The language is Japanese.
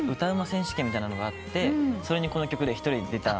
選手権みたいなのがあってそれにこの曲で一人で出た。